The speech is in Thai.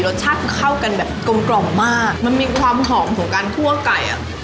รสชาติเข้ากันแบบกลมกล่อมมากมันมีความหอมของการคั่วไก่อ่ะ